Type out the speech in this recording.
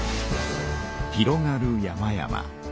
広がる山々。